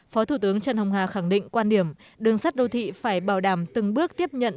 phó thủ tướng trần hồng hà khẳng định quan điểm đường sắt đô thị phải bảo đảm từng bước tiếp nhận